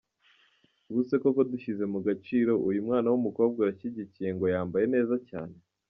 Ubuse koko dushyize mugaciro uyu mwana w’ umukobwa urashyigikiye ngo " yambaye neza cyane" ?.